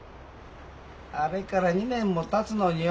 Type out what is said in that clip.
あれから２年もたつのによ